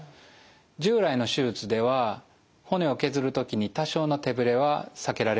従来の手術では骨を削る時に多少の手ぶれは避けられません。